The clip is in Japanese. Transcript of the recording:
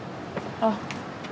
あっ。